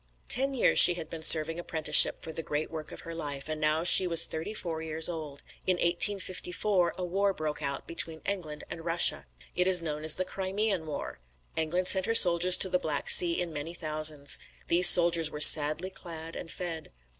Ten years she had been serving apprenticeship for the great work of her life, and now she was thirty four years old. In 1854 a war broke out between England and Russia. It is known as the Crimean War. England sent her soldiers to the Black Sea in many thousands. These soldiers were sadly clad and fed.